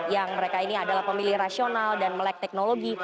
yang mereka ini adalah pemilih rasional dan melek teknologi